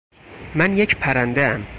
من یه پرنده ام